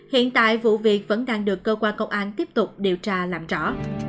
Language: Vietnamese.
hiện tại vụ việc vẫn đang được cơ quan công an tiếp tục điều tra làm rõ